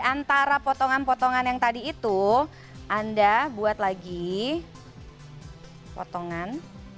antara potongan potongan yang tadi itu anda buat lagi potongan